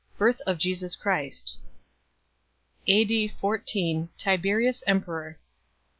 Birth of JESUS CHRIST. A.D. 14 Tiberius emperor.